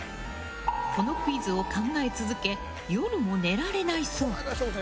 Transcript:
このクイズを考え続け夜も寝られないそう。